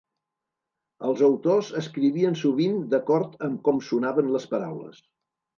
Els autors escrivien sovint d'acord amb com sonaven les paraules.